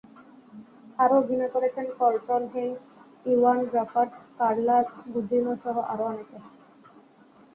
আরও অভিনয় করেছেন কলটন হেইন্স, ইওয়ান গ্রাফাড, কার্লা গুজিনোসহ আরও অনেকে।